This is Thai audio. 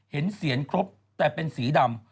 เสียนครบแต่เป็นสีดำ